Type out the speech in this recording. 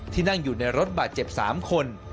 นั่งอยู่ในรถบาดเจ็บ๓คน